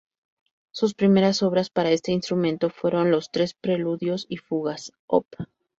Sus primeras obras para este instrumento fueron los "Tres preludios y fugas", Op.